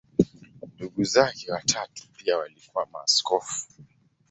Ndugu zake watatu pia walikuwa maaskofu.